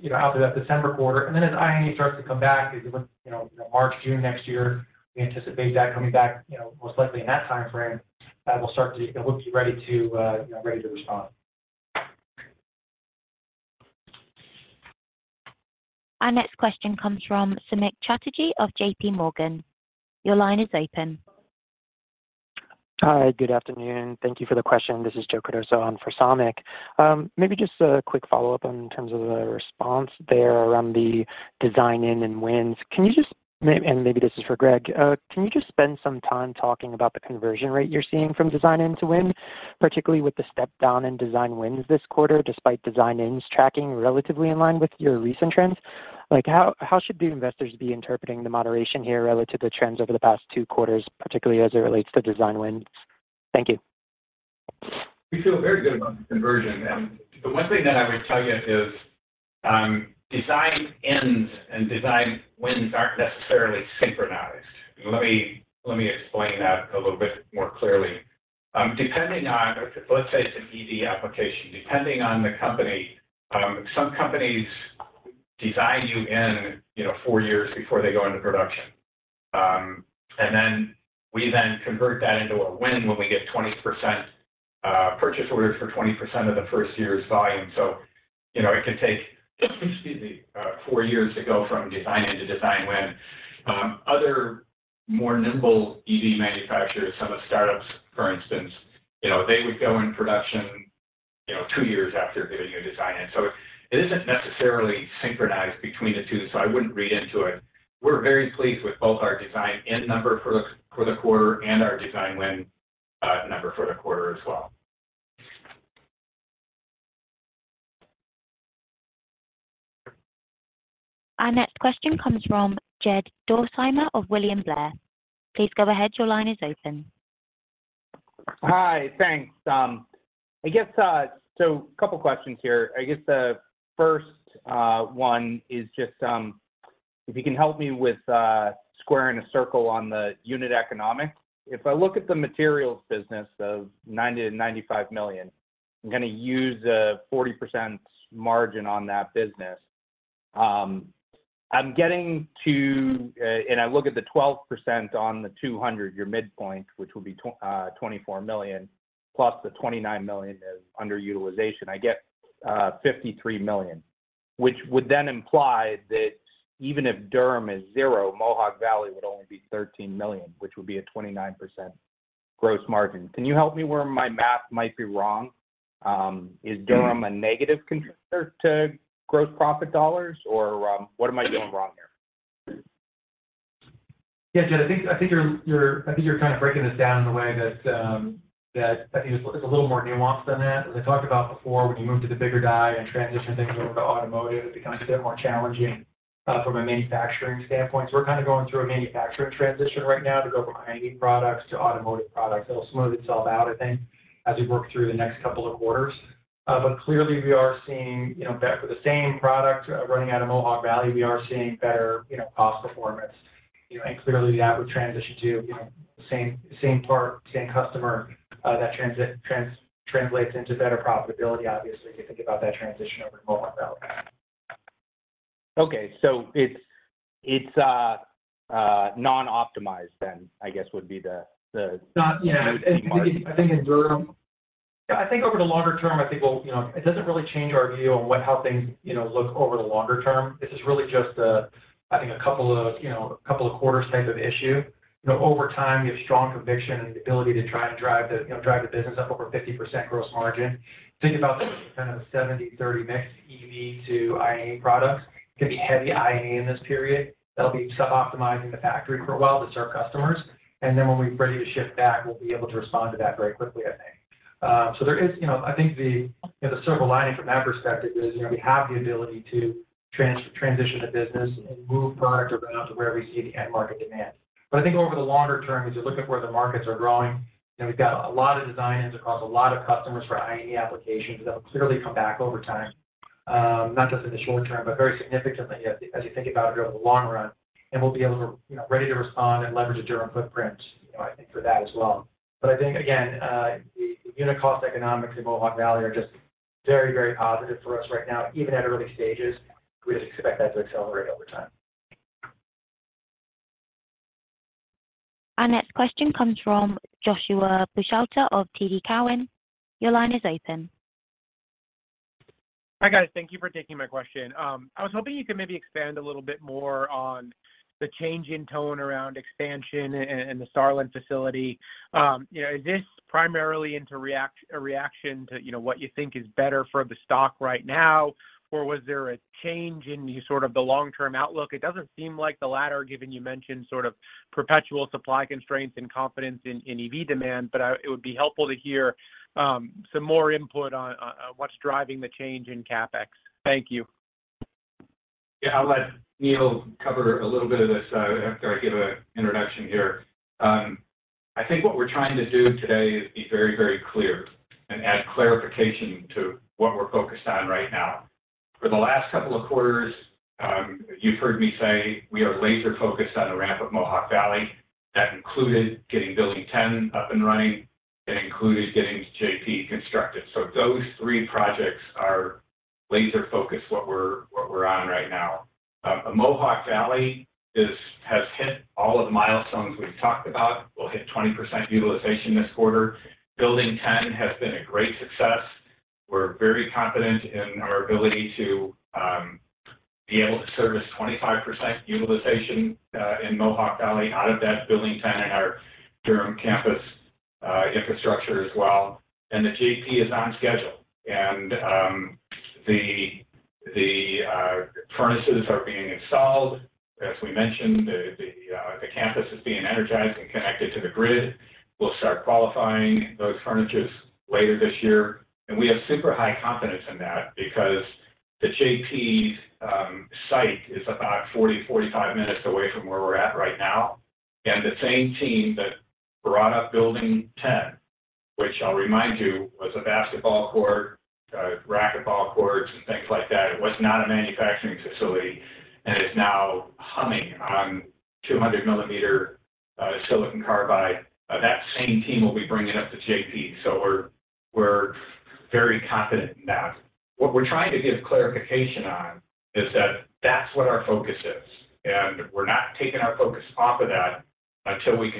you know, out to that December quarter. And then as I&E starts to come back, you know, March, June next year, we anticipate that coming back, you know, most likely in that timeframe, we'll start to-- we'll be ready to, you know, ready to respond. Our next question comes from Samik Chatterjee of J.P. Morgan. Your line is open. Hi, good afternoon. Thank you for the question. This is Joe Cardoso on for Samik. Maybe just a quick follow-up on terms of the response there around the design-in and wins. Can you just – and maybe this is for Greg. Can you just spend some time talking about the conversion rate you're seeing from design-in to win, particularly with the step down in design wins this quarter, despite design-ins tracking relatively in line with your recent trends? Like, how should the investors be interpreting the moderation here relative to trends over the past two quarters, particularly as it relates to design wins? Thank you. We feel very good about the conversion, and the one thing that I would tell you is, design-ins and design wins aren't necessarily synchronized. Let me explain that a little bit more clearly. Depending on, let's say, it's an EV application, depending on the company, some companies design you in, you know, four years before they go into production. And then we then convert that into a win when we get 20%, purchase orders for 20% of the first year's volume. So, you know, it can take four years to go from design-in to design win. Other more nimble EV manufacturers, some are startups, for instance, you know, they would go in production, you know, two years after giving you a design in. So it isn't necessarily synchronized between the two, so I wouldn't read into it. We're very pleased with both our design-in number for the quarter and our design win number for the quarter as well. Our next question comes from Jed Dorsheimer of William Blair. Please go ahead, your line is open. Hi, thanks. I guess a couple questions here. I guess the first one is just if you can help me with squaring a circle on the unit economics. If I look at the materials business of $90-$95 million, I'm gonna use a 40% margin on that business. I'm getting to and I look at the 12% on the 200, your midpoint, which will be $24 million, plus the $29 million is underutilization. I get $53 million, which would then imply that even if Durham is zero, Mohawk Valley would only be $13 million, which would be a 29% gross margin. Can you help me where my math might be wrong? Is Durham a negative contributor to gross profit dollars, or what am I doing wrong here? Yeah, Jed, I think you're kind of breaking this down in a way that is a little more nuanced than that. As I talked about before, when you move to the bigger die and transition things over to automotive, it becomes a bit more challenging from a manufacturing standpoint. So we're kind of going through a manufacturing transition right now to go from I&E products to automotive products. It'll smooth itself out, I think, as we work through the next couple of quarters. But clearly, we are seeing, you know, that for the same product running out of Mohawk Valley, we are seeing better, you know, cost performance. You know, clearly, that would transition to, you know, same, same part, same customer, that translates into better profitability, obviously, if you think about that transition over to Mohawk Valley. Okay. So it's non-optimized, then, I guess, would be the- Not, you know, I think in Durham... Yeah, I think over the longer term, I think we'll, you know, it doesn't really change our view on what how things, you know, look over the longer term. This is really just a, I think, a couple of, you know, a couple of quarters type of issue. You know, over time, you have strong conviction in the ability to try to drive the, you know, drive the business up over 50% gross margin. Think about kind of a 70/30 mix, EV to I&E products. It's gonna be heavy I&E in this period. That'll be suboptimizing the factory for a while to serve customers, and then when we're ready to shift back, we'll be able to respond to that very quickly, I think. So there is, you know, I think the, you know, the silver lining from that perspective is, you know, we have the ability to transition a business and move product around to where we see the end market demand. But I think over the longer term, as you're looking where the markets are growing, you know, we've got a lot of design wins across a lot of customers for I&E applications that will clearly come back over time, not just in the short term, but very significantly as you think about it over the long run. And we'll be able to, you know, ready to respond and leverage a Durham footprint, you know, I think for that as well. But I think, again, the unit cost economics in Mohawk Valley are just very, very positive for us right now, even at early stages. We just expect that to accelerate over time. Our next question comes from Joshua Buchalter of TD Cowen. Your line is open. Hi, guys. Thank you for taking my question. I was hoping you could maybe expand a little bit more on the change in tone around expansion and the Siler City facility. You know, is this primarily a reaction to what you think is better for the stock right now? Or was there a change in the sort of the long-term outlook? It doesn't seem like the latter, given you mentioned sort of perpetual supply constraints and confidence in EV demand, but it would be helpful to hear some more input on what's driving the change in CapEx. Thank you. Yeah. I'll let Neil cover a little bit of this after I give an introduction here. I think what we're trying to do today is be very, very clear and add clarification to what we're focused on right now. For the last couple of quarters, you've heard me say we are laser focused on the ramp of Mohawk Valley. That included getting Building 10 up and running, and it included getting JP constructed. So those three projects are laser focused, what we're on right now. Mohawk Valley has hit all of the milestones we've talked about. We'll hit 20% utilization this quarter. Building 10 has been a great success. We're very confident in our ability to be able to service 25% utilization in Mohawk Valley out of that Building 10 and our Durham campus infrastructure as well. The JP is on schedule, and the furnaces are being installed. As we mentioned, the campus is being energized and connected to the grid. We'll start qualifying those furnaces later this year, and we have super high confidence in that because the JP's site is about 40-45 minutes away from where we're at right now. The same team that brought up Building 10, which I'll remind you was a basketball court, racquetball courts, and things like that. It was not a manufacturing facility, and it's now humming on 200 mm silicon carbide. That same team will be bringing up the JP, so we're very confident in that. What we're trying to give clarification on is that that's what our focus is, and we're not taking our focus off of that until we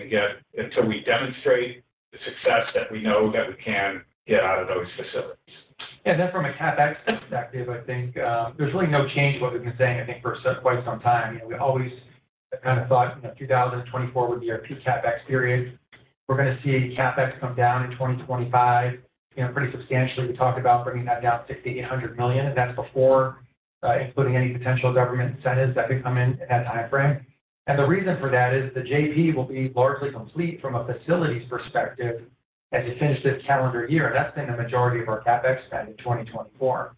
demonstrate the success that we know that we can get out of those facilities. Yeah. Then from a CapEx perspective, I think, there's really no change in what we've been saying, I think, for quite some time. You know, we always kind of thought, you know, 2024 would be our peak CapEx period. We're gonna see CapEx come down in 2025, you know, pretty substantially. We talked about bringing that down to $600 million-$800 million, and that's before, including any potential government incentives that could come in at that timeframe. And the reason for that is the JP will be largely complete from a facilities perspective, as you finish this calendar year. That's been the majority of our CapEx spend in 2024.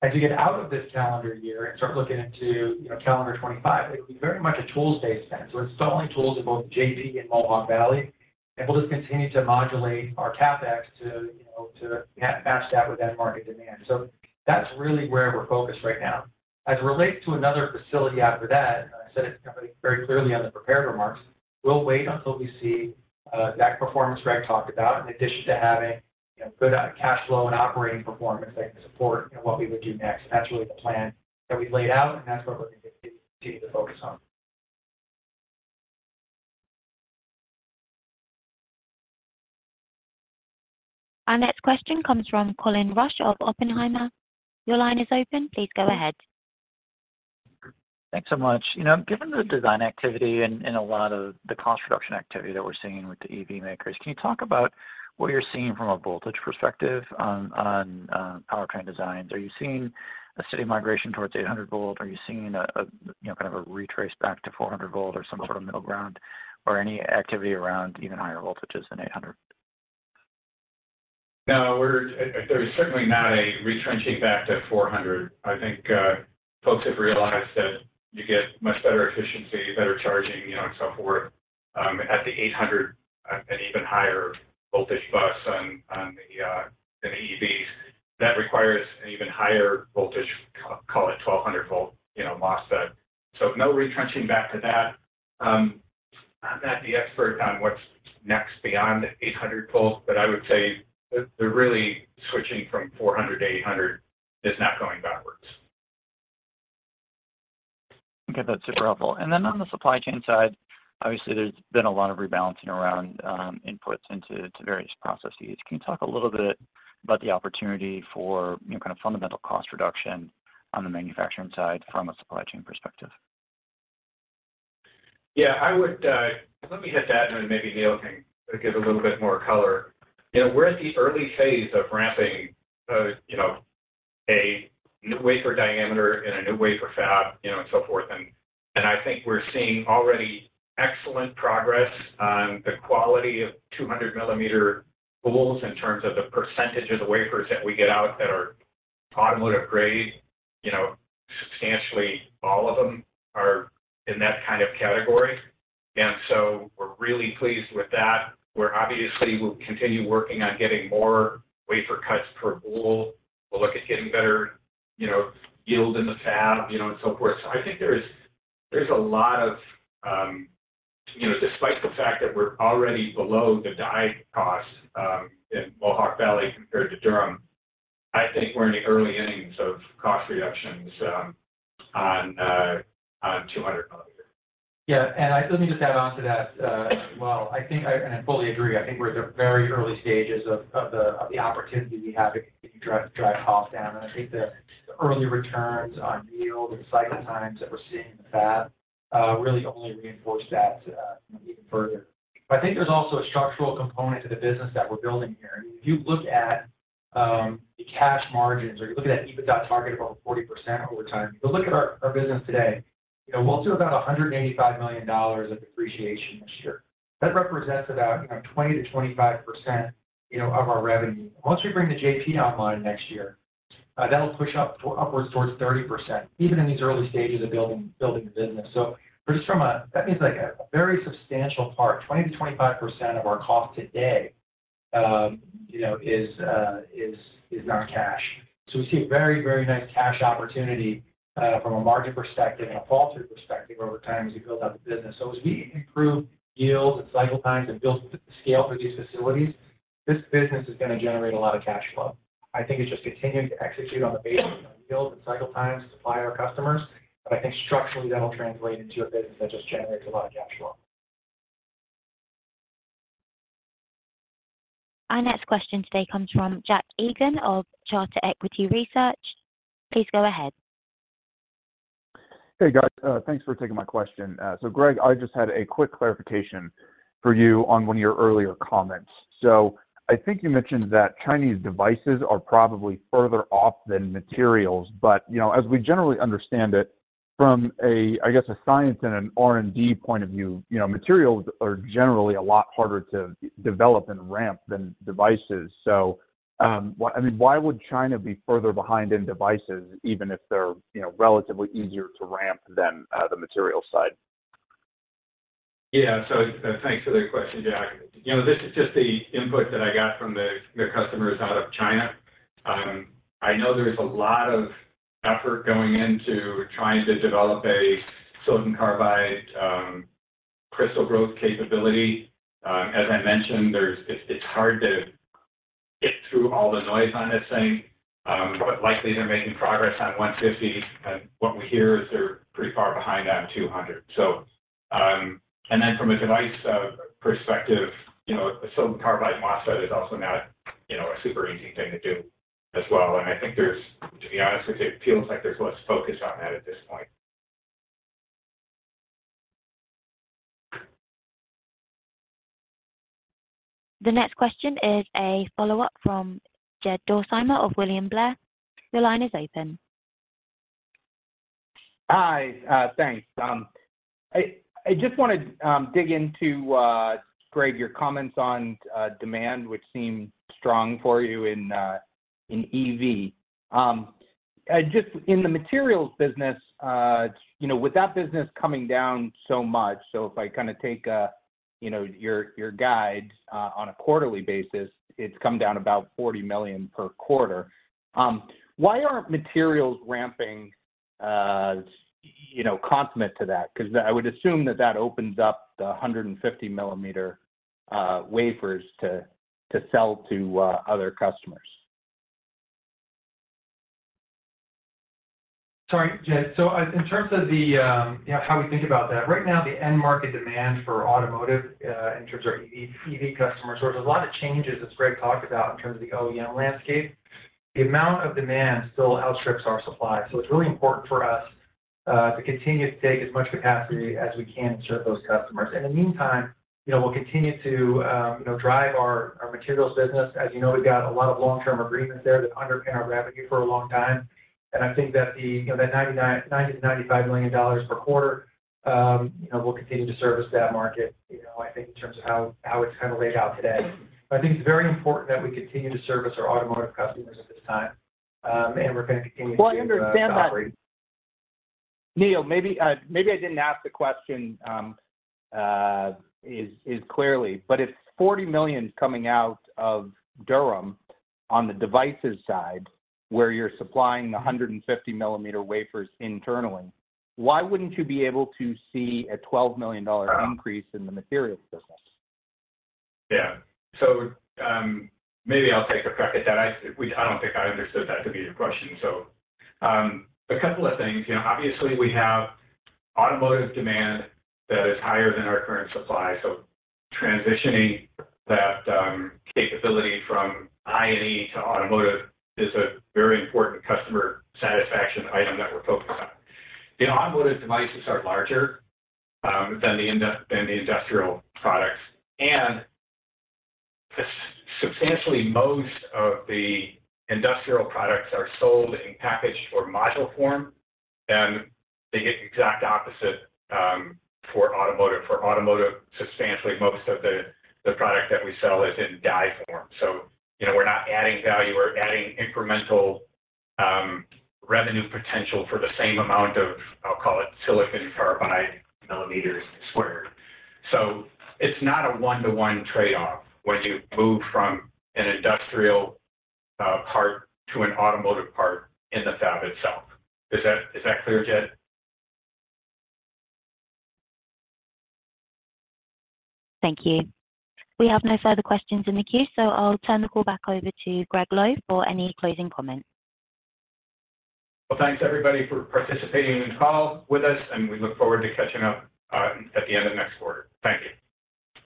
As you get out of this calendar year and start looking into, you know, calendar 2025, it'll be very much a tools-based spend. So we're installing tools in both JP and Mohawk Valley, and we'll just continue to modulate our CapEx to, you know, to match that with that market demand. So that's really where we're focused right now. As it relates to another facility after that, I said it very clearly on the prepared remarks, we'll wait until we see that performance Greg talked about, in addition to having-... good cash flow and operating performance that can support what we would do next. That's really the plan that we've laid out, and that's what we're going to continue to focus on. Our next question comes from Colin Rusch of Oppenheimer. Your line is open. Please go ahead. Thanks so much. You know, given the design activity and, and a lot of the cost reduction activity that we're seeing with the EV makers, can you talk about what you're seeing from a voltage perspective on, on, powertrain designs? Are you seeing a city migration towards 800 volt? Are you seeing a, a, you know, kind of a retrace back to 400 volt or some sort of middle ground, or any activity around even higher voltages than 800? No, there is certainly not a retrenching back to 400. I think, folks have realized that you get much better efficiency, better charging, you know, and so forth, at the 800, and even higher voltage bus on the EVs. That requires an even higher voltage, call it 1200-volt, you know, MOSFET. So no retrenching back to that. I'm not the expert on what's next beyond 800 volts, but I would say the really switching from 400 to 800 is not going backwards. Okay, that's super helpful. And then on the supply chain side, obviously, there's been a lot of rebalancing around inputs into, to various processes. Can you talk a little bit about the opportunity for, you know, kind of fundamental cost reduction on the manufacturing side from a supply chain perspective? Yeah, I would—let me hit that, and then maybe Neil can give a little bit more color. You know, we're at the early phase of ramping, you know, a new wafer diameter and a new wafer fab, you know, and so forth. And I think we're seeing already excellent progress on the quality of 200 mm boules in terms of the percentage of the wafers that we get out that are automotive grade. You know, substantially all of them are in that kind of category. And so we're really pleased with that. We're obviously. We'll continue working on getting more wafer cuts per boule. We'll look at getting better, you know, yield in the fab, you know, and so forth. So I think there's a lot of, you know, despite the fact that we're already below the die cost in Mohawk Valley compared to Durham, I think we're in the early innings of cost reductions on 200 mm. Yeah, and I let me just add on to that as well. I think, and I fully agree, I think we're at the very early stages of the opportunity we have to continue to drive costs down. And I think the early returns on yield and cycle times that we're seeing in the fab really only reinforce that even further. But I think there's also a structural component to the business that we're building here. And if you look at the cash margins, or you look at that EBITDA target of about 40% over time, if you look at our business today, you know, we'll do about $185 million of depreciation this year. That represents about, you know, 20%-25% of our revenue. Once we bring the JP online next year, that'll push upwards towards 30%, even in these early stages of building the business. So just that means, like, a very substantial part, 20%-25% of our cost today, you know, is not cash. So we see a very, very nice cash opportunity, from a margin perspective and a fall-through perspective over time as we build out the business. So as we improve yield and cycle times and build scale for these facilities, this business is gonna generate a lot of cash flow. I think it's just continuing to execute on the basis of yield and cycle times to supply our customers, but I think structurally, that'll translate into a business that just generates a lot of cash flow. Our next question today comes from Jack Egan of Charter Equity Research. Please go ahead. Hey, guys. Thanks for taking my question. So Greg, I just had a quick clarification for you on one of your earlier comments. So I think you mentioned that Chinese devices are probably further off than materials, but, you know, as we generally understand it, from a, I guess, a science and an R&D point of view, you know, materials are generally a lot harder to develop and ramp than devices. So, I mean, why would China be further behind in devices, even if they're, you know, relatively easier to ramp than the material side? Yeah. So thanks for the question, Jack. You know, this is just the input that I got from the customers out of China. I know there's a lot of effort going into trying to develop a silicon carbide crystal growth capability. As I mentioned, it's hard to get through all the noise on this thing, but likely they're making progress on 150, and what we hear is they're pretty far behind on 200. So, and then from a device perspective, you know, a silicon carbide MOSFET is also not, you know, a super easy thing to do as well. And I think there's, to be honest with you, it feels like there's less focus on that at this point. The next question is a follow-up from Jed Dorsheimer of William Blair. Your line is open. Hi. Thanks. I just wanna dig into, Greg, your comments on demand, which seem strong for you in EV. Just in the materials business, you know, with that business coming down so much, so if I kinda take, you know, your guide, on a quarterly basis, it's come down about $40 million per quarter. Why aren't materials ramping, you know, commensurate to that? 'Cause I would assume that that opens up the 150 mm wafers to sell to other customers. Sorry, Jed. So, in terms of, you know, how we think about that, right now, the end market demand for automotive, in terms of EV customer source, there's a lot of changes, as Greg talked about, in terms of the OEM landscape. The amount of demand still outstrips our supply. So it's really important for us to continue to take as much capacity as we can to serve those customers. In the meantime, you know, we'll continue to, you know, drive our materials business. As you know, we've got a lot of long-term agreements there that underpin our revenue for a long time, and I think that the, you know, that 90-95 million dollars per quarter, you know, will continue to service that market, you know, I think in terms of how it's kind of laid out today. But I think it's very important that we continue to service our automotive customers at this time, and we're gonna continue to- Well, I understand that, Neil. Maybe, maybe I didn't ask the question as clearly, but if $40 million's coming out of Durham on the devices side, where you're supplying the 150 mm wafers internally, why wouldn't you be able to see a $12 million increase in the materials business? Yeah. So, maybe I'll take a crack at that. I don't think I understood that to be your question. So, a couple of things. You know, obviously, we have automotive demand that is higher than our current supply, so transitioning that capability from I&E to automotive is a very important customer satisfaction item that we're focused on. The automotive devices are larger than the industrial products, and substantially most of the industrial products are sold in packaged or module form, and they get the exact opposite for automotive. For automotive, substantially most of the product that we sell is in die form. So, you know, we're not adding value, we're adding incremental revenue potential for the same amount of, I'll call it, silicon carbide millimeters squared. So it's not a one-to-one trade-off when you move from an industrial part to an automotive part in the fab itself. Is that, is that clear, Jed? Thank you. We have no further questions in the queue, so I'll turn the call back over to Gregg Lowe for any closing comments. Well, thanks, everybody, for participating in the call with us, and we look forward to catching up at the end of next quarter. Thank you.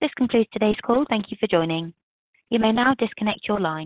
This concludes today's call. Thank you for joining. You may now disconnect your line.